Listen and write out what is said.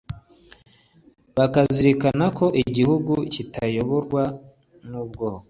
bakazirikana ko igihugu kitayoborwa n’ubwoko